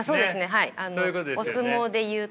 はい。